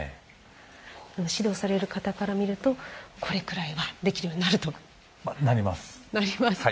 指導される方から見るとこれぐらいはできるようになると。